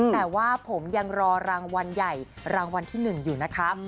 แต่ว่าผมยังรอรางวัลใหญ่รางวัลที่๑อยู่นะครับ